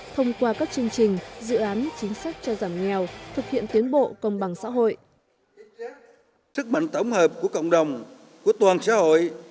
thông qua các chương trình dự án chính sách cho giảm nghèo thực hiện tiến bộ công bằng xã hội